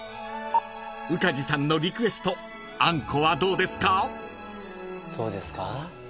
［宇梶さんのリクエストあんこはどうですか？］